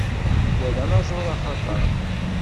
Wa d anaẓur axatar.